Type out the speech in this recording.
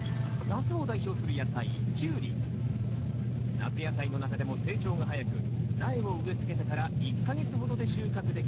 夏野菜の中でも成長が早く苗を植え付けてから１か月ほどで収穫できる